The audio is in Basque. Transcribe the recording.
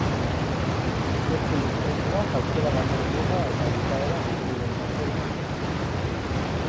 Subjektu infinituak aukera baten muga eta bukaera esperimentatzen du.